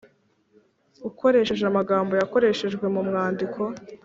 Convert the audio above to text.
ukoresheje amagambo yakoreshejwe mu mwandiko